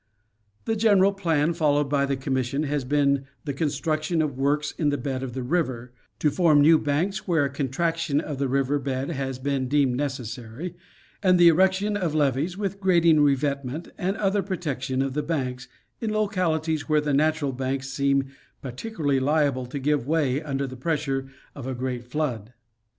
The general plan followed by the Commission has been the construc tion of works in the bed of the river, to form new banks where a contraction of the river bed has been deemed necessary ; and the erection of levees, with grading, revetment, and other pro tection of the banks, in localities where the natural banks seem particularly lable to give way under the pressure of a great flood.